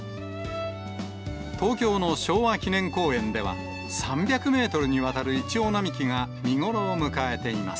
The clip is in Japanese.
東京の昭和記念公園では、３００メートルにわたるイチョウ並木が見頃を迎えています。